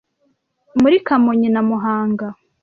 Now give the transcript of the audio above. muri Kamonyi na Muhanga